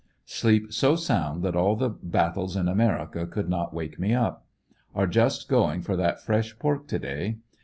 " Sleep so sound that all the battles in America could not wake me up. Are just going for that fresh pork to day.